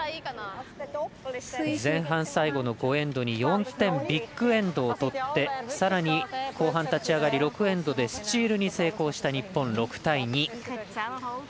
前半最後の５エンドに４点ビッグエンドをとってさらに、後半立ち上がり６エンドでスチールに成功した日本６対２。